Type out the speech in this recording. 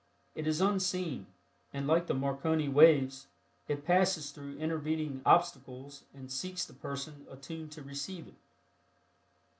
It is unseen, and like the Marconi waves, it passes through intervening obstacles and seeks the person attuned to receive it.